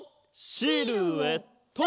シルエット！